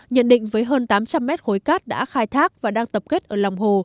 nhận định với hơn tám trăm linh mét khối cát đã khai thác và đang tập kết ở lòng hồ